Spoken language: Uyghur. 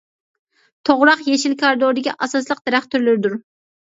توغراق يېشىل كارىدوردىكى ئاساسلىق دەرەخ تۈرلىرىدۇر.